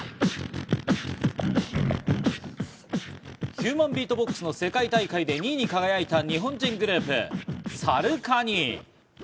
ヒューマンビートボックスの世界大会で２位に輝いた日本人グループ・ＳＡＲＵＫＡＮＩ。